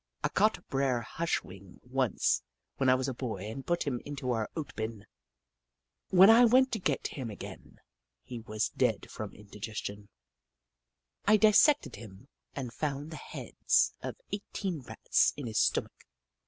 I caught Bre'r Hush wing once when I was a boy and put him into our oat bin. When I went to get him again he was dead from indigestion. I dissected him and found the heads of eighteen Rats in his stomach.